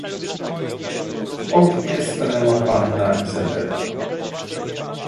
"W oknie stanęła panna Izabela."